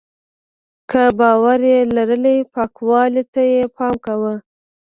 که باور یې لرلی پاکوالي ته یې پام کاوه.